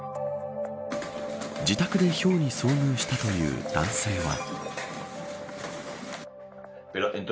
自宅で、ひょうに遭遇したという男性は。